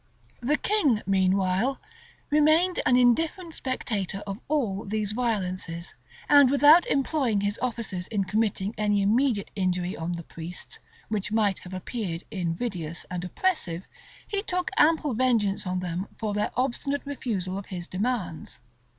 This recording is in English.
[] The king, meanwhile, remained an indifferent spectator of all these violences: and without employing his officers in committing any immediate injury on the priests, which might have appeared invidious and oppressive, he took ample vengeance on them for their obstinate refusal of his demands.